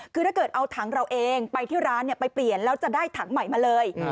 คือถ้าเกิดเอาถังเราเองไปที่ร้านไปเปลี่ยนแล้วจะได้ถังใหม่มาเลย